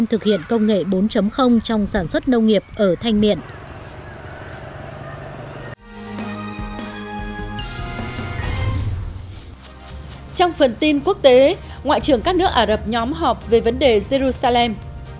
trong phần tin quốc tế ngoại trưởng các nước ả rập nhóm họp về vấn đề jerusalem